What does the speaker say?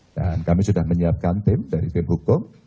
dan kami sudah menyiapkan tim dari tim hukum